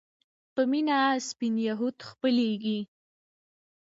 په مينه سپين يهود خپلېږي